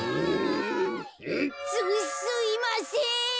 すすいません。